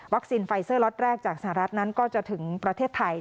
ไฟเซอร์ล็อตแรกจากสหรัฐนั้นก็จะถึงประเทศไทย